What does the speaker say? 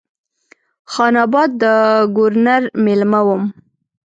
خان آباد د ګورنر مېلمه وم.